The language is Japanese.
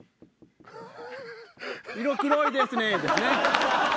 「色黒いですね！」ですね。